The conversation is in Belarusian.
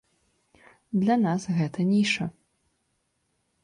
Для нас гэта ніша.